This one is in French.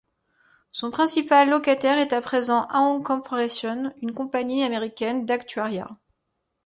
Son principal locataire est à présent Aon Corporation, une compagnie américaine d'actuariat.